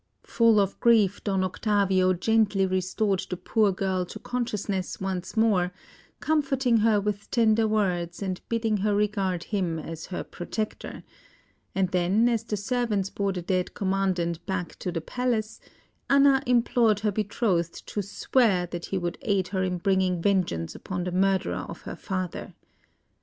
Full of grief, Don Octavio gently restored the poor girl to consciousness once more, comforting her with tender words and bidding her regard him as her protector; and then, as the servants bore the dead Commandant back to the palace, Anna implored her betrothed to swear that he would aid her in bringing vengeance upon the murderer of her father.